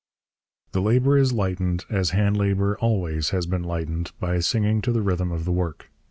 The labour is lightened, as hand labour always has been lightened, by singing to the rhythm of the work.